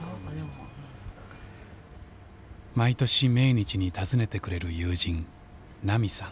毎年命日に訪ねてくれる友人奈美さん。